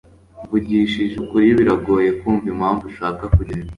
Mvugishije ukuri, biragoye kumva impamvu ushaka kugenda.